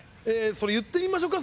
それ言ってみましょか。